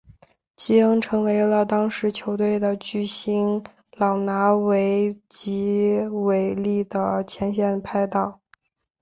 基恩成为了当时球队的巨星朗拿度及韦利的前线拍挡。